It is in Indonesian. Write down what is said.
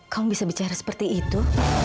kamu bisa bicara seperti itu